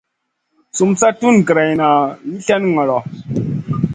Sum sa tun greyna wi slèh ŋolo.